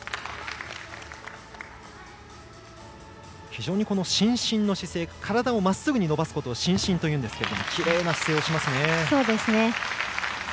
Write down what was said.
非常に伸身の姿勢体をまっすぐに伸ばすことを伸身といいますがきれいな姿勢をしますね。